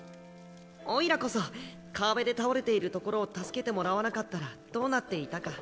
おいらこそ川辺で倒れているところを助けてもらわなかったらどうなっていたか。